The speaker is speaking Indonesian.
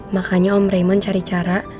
makanya om rayment cari cara